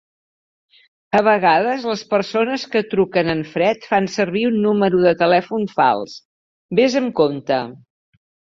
A vegades les persones que truquen en fred fan servir un número de telèfon fals. Vés amb compte.